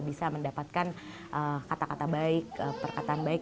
bisa mendapatkan kata kata baik perkataan baik